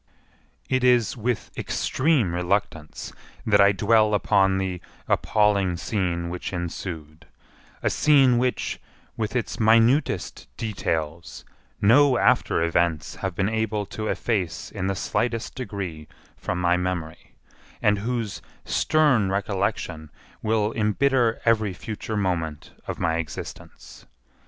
It is with extreme reluctance that I dwell upon the appalling scene which ensued; a scene which, with its minutest details, no after events have been able to efface in the slightest degree from my memory, and whose stern recollection will embitter every future moment of my existence.